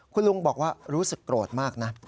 คุณลุงบอกว่ารู้สึกโกรธมากนะ